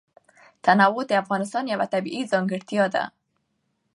تنوع د افغانستان یوه طبیعي ځانګړتیا ده.